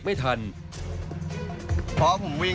ผมมาจากศรีราชาครับ